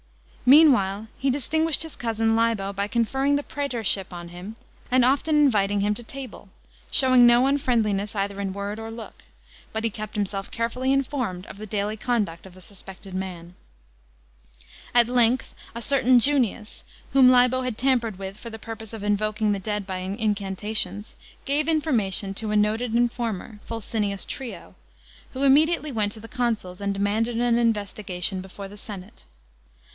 Meanwhile he distinguished his cousin Libo by conferring the prsetorship on him, and often inviting him to table, showing no unfriendliness either in word or look ; but he kept himself carefiilly informed of the daily conduct of the suspected man. At length a certain Junius, whom Libo had tampered with for the purpose of invoking the dead by incantations, gave information to a noted informer, Fulcinius Trio, who immediately went to the consuls, and demanded an investigation before the senate.